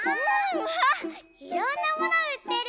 うわいろんなものうってる。